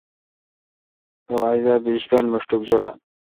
رو اج دا بیش کال مݭٹک جولال۔